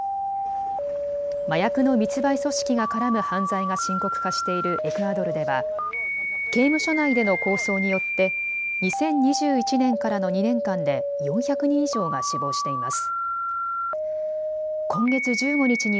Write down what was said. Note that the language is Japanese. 麻薬の密売組織が絡む犯罪が深刻化しているエクアドルでは刑務所内での抗争によって２０２１年からの２年間で４００人以上が死亡しています。